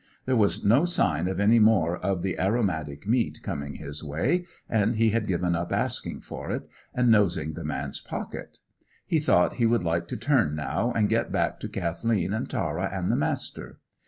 There was no sign of any more of the aromatic meat coming his way, and he had given up asking for it, and nosing the man's pocket. He thought he would like to turn now, and get back to Kathleen and Tara and the Master.